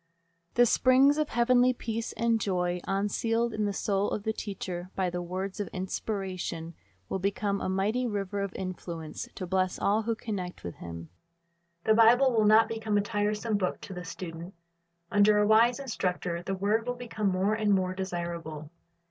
The springs of heavenly peace and joy, unsealed in the soul of the teacher by the words of Inspiration, will become a mighty river of influence to bless all who connect with him. The Rible will not become a tiresome book to the student. Under a wise instructor the word will become more and more desirable.